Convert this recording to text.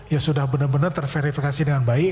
ya sudah benar benar terverifikasi dengan baik